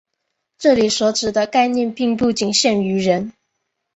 这里所指的概念并不仅限于人。